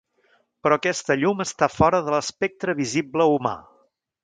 Però aquesta llum està fora de l'espectre visible humà.